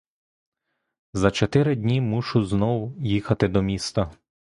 За чотири дні мушу знов їхати до міста.